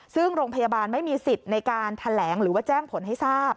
ซึ่งโรงพยาบาลไม่มีสิทธิ์ในการแถลงหรือว่าแจ้งผลให้ทราบ